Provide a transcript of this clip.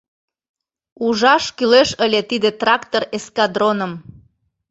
Ужаш кӱлеш ыле тиде трактор эскадроным!